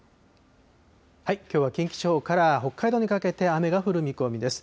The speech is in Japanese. きょうは近畿地方から北海道にかけて雨が降る見込みです。